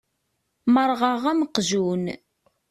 Merrɣeɣ am uqjun.